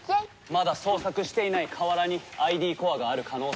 まだ捜索していない河原にＩＤコアがある可能性が高い。